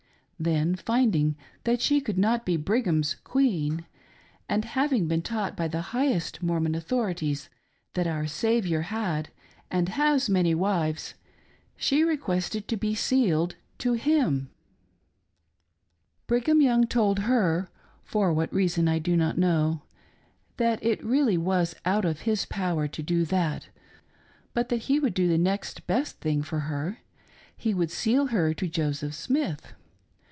Then finding that she could not be Brigham's "queen," and having been taught by the highest Mormon Authorities that our Saviour had, and has, many wives, she requested to be " sealed " to Him ! Brigham Young told her (for what reason I do not know) that it really was out of his power to do that, but that he wbuld do "the next best thing" for her — ^he would " seal " her to Joseph Smith.